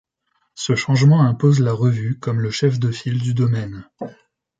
Ce changement impose la revue comme le chef de file du domaine.